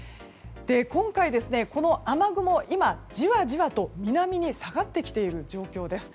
今回の雨雲、今じわじわと南に下がってきている状況です。